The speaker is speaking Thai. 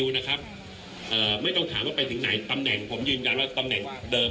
ไม่ต้องถามว่าไปถึงไหนตำแหน่งผมยืนยันว่าตำแหน่งเดิม